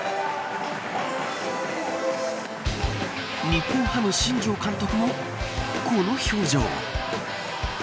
日本ハム新庄監督もこの表情。